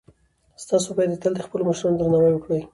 تاسو باید تل د خپلو مشرانو درناوی وکړئ.